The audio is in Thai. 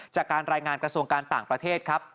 จากการรายงานกระทรวงการต่างประเทศครับ